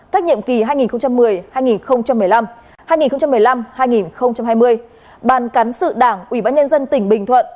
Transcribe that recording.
các nhiệm kỳ hai nghìn một mươi hai nghìn một mươi năm hai nghìn một mươi năm hai nghìn hai mươi ban cán sự đảng ủy ban nhân dân tỉnh bình thuận